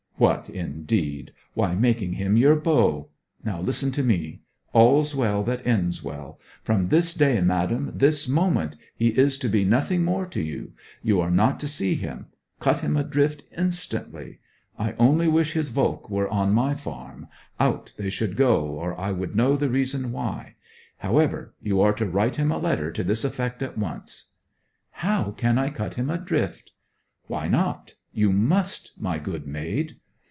'What, indeed! Why, making him your beau. Now listen to me. All's well that ends well; from this day, madam, this moment, he is to be nothing more to you. You are not to see him. Cut him adrift instantly! I only wish his volk were on my farm out they should go, or I would know the reason why. However, you are to write him a letter to this effect at once.' 'How can I cut him adrift?' 'Why not? You must, my good maid!'